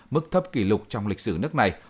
mức thấp kỷ lục trong lịch sử nước này